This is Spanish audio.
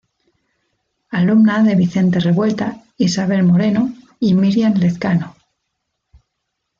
Alumna de Vicente Revuelta, Isabel Moreno y Miriam Lezcano.